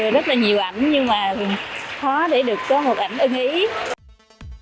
rất là nhiều ảnh nhưng mà khó để được có một ảnh ưng ý